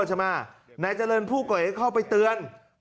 นะครับนายเจริญผู้เกาะเหตุ